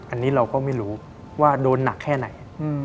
อันนี้เราก็ไม่รู้ว่าโดนหนักแค่ไหน